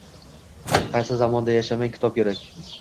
Qaysi zamonda yashamang kitob kerak.